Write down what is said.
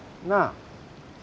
なあ？